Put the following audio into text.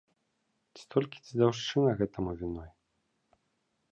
Ці толькі дзедаўшчына гэтаму віной?